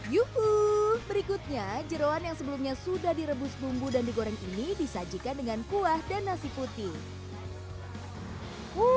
yuhuu berikutnya jeruan yang sebelumnya sudah direbus bumbu dan digoreng ini disajikan dengan kuah dan nasi putih